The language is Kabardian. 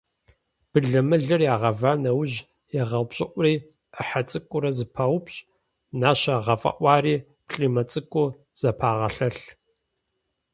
Былымылыр ягъэва нэужь, ягъэупщӀыӀури, Ӏыхьэ цӀыкӀуурэ зэпаупщӀ, нащэ гъэфӀэӀуари плӀимэ цӀыкӀуу зэпагъэлъэлъ.